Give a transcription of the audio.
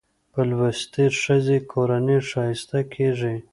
په لوستې ښځه کورنۍ ښايسته کېږي